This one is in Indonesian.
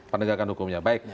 pendegarkan hukumnya baik